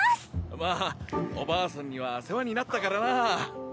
まあおばあさんには世話になったからな。